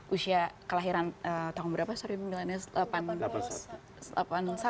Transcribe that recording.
usia kelahiran tahun berapa sorry milenial